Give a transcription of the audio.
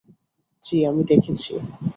জি, আমি দেখেছি।